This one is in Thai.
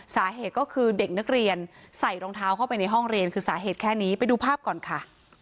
สาเหตุก็คือเด็กนักเรียนใส่รองเท้าเข้าไปในห้องเรียนคือสาเหตุแค่นี้ไปดูภาพก่อนค่ะ